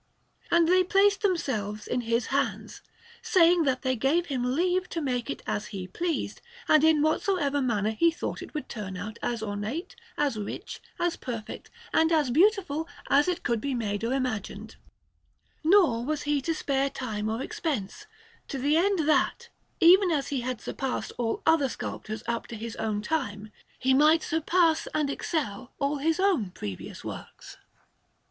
And they placed themselves in his hands, saying that they gave him leave to make it as he pleased, and in whatsoever manner he thought it would turn out as ornate, as rich, as perfect, and as beautiful as it could be made or imagined; nor was he to spare time or expense, to the end that, even as he had surpassed all other sculptors up to his own time, he might surpass and excel all his own previous works.